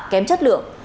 kém chất lượng